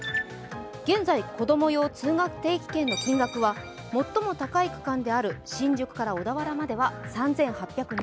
現在、子供用通学定期券の金額は最も高い区間である新宿から小田原までは３８２０円。